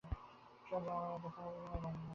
তোমার সঙ্গে আমার আর দেখা হবে কি না, জানি না।